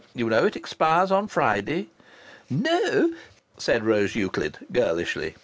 You know, it expires on Friday." "No," said Rose Euclid, girlishly.